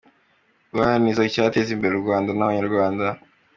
• Guharanira icyateza imbere u Rwanda n’Abanyarwanda.